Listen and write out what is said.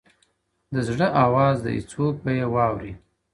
• د زړه آواز دی څوک به یې واوري؟ -